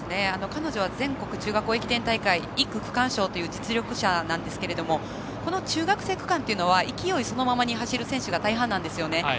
彼女は全国中学駅伝大会１区区間賞という実力者なんですがこの中学生区間というのは勢いそのままに走る選手が大半なんですよね。